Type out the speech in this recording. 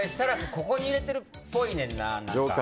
ここに入れてるっぽいねんな。